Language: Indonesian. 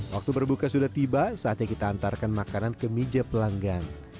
waktu berbuka sudah tiba saatnya kita antarkan makanan ke meja pelanggan